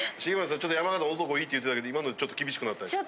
ちょっと山形の男いいって言ってたけど今のでちょっと厳しくなったでしょ？